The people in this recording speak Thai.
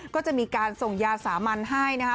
ก็จะมีการส่งยาสามัญให้นะคะ